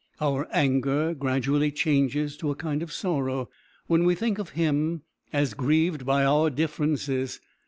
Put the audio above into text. Our anger gradually changes to a kind of sorrow when we think of Him as grieved by our differences.